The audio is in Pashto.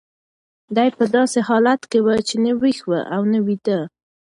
دی په داسې حالت کې و چې نه ویښ و او نه ویده.